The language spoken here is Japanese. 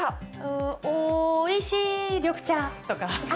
おーいしーい緑茶とか。